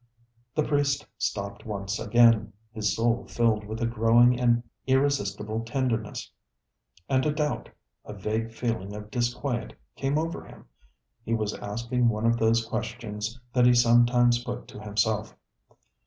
The priest stopped once again, his soul filled with a growing and irresistible tenderness. And a doubt, a vague feeling of disquiet came over him; he was asking one of those questions that he sometimes put to himself.